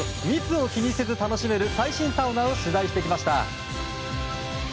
密を気にせず楽しめる最新サウナを取材してきました。